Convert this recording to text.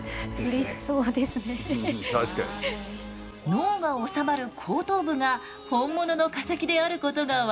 脳が収まる後頭部が本物の化石であることが分かったんです。